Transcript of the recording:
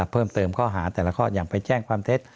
เพิ่มเติมข้อหาแต่ละข้ออย่างไปแจ้งความเท็จ